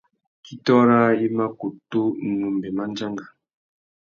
Kitô râā i ma kutu numbe mándjanga.